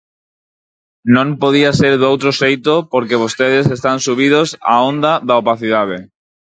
Non podía ser doutro xeito, porque vostedes están subidos á onda da opacidade.